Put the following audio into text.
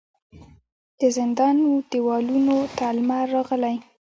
د زندان و دیوالونو ته لمر راغلی